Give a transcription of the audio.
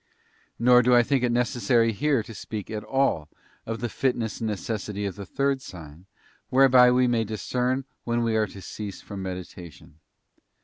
Nor do I think it necessary here to speak at all of the fitness and necessity of the third sign, whereby we may discern when we are to cease from meditation.